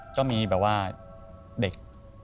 ก็มีแบบว่าเด็ก